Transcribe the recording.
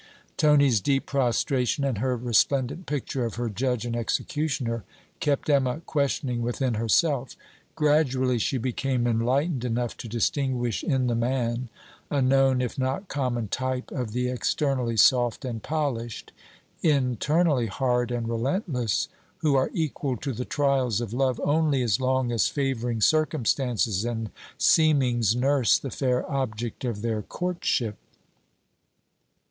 Tony's deep prostration and her resplendent picture of her judge and executioner, kept Emma questioning within herself. Gradually she became enlightened enough to distinguish in the man a known, if not common, type of the externally soft and polished, internally hard and relentless, who are equal to the trials of love only as long as favouring circumstances and seemings nurse the fair object of their courtship.